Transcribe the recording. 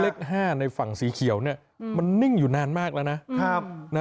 เลข๕ในฝั่งสีเขียวเนี่ยมันนิ่งอยู่นานมากแล้วนะ